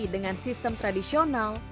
dengan sistem tradisional